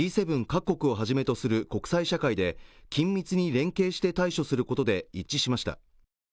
各国をはじめとする国際社会で緊密に連携して対処することで一致しました